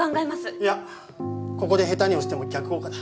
いやここで下手に押しても逆効果だ。